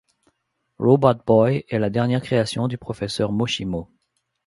Robotboy est la dernière création du professeur Moshimo.